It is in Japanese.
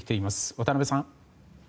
渡辺さん。